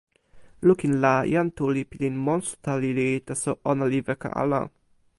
lukin la, jan Tu li pilin monsuta lili, taso ona li weka ala.